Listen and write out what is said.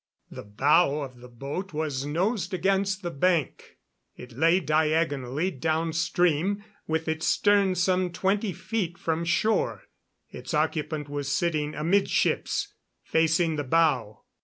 The bow of the boat was nosed against the bank; it lay diagonally downstream, with its stern some twenty feet from shore. Its occupant was sitting amidships, facing the bow.